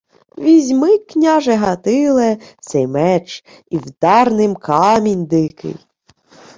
— Візьми, княже Гатиле, сей меч і вдар ним камінь дикий.